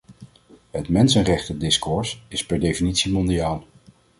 Het mensenrechtendiscours is per definitie mondiaal.